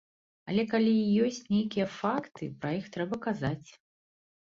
Але калі ёсць нейкія факты, пра іх трэба казаць.